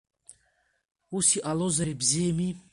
Ус иҟалозар, ибзиами.